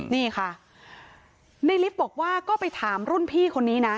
นี่ค่ะในลิฟต์บอกว่าก็ไปถามรุ่นพี่คนนี้นะ